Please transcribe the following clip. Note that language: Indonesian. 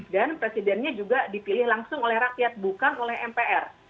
dan presidennya juga dipilih langsung oleh rakyat bukan oleh mpr